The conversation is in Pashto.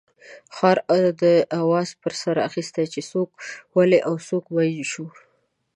ښار د اوازو پر سر اخستی چې څوک والي او څوک معین شو.